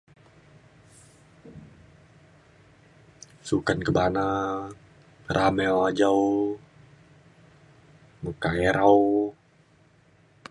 Sukan kebana rame ajau meka irau.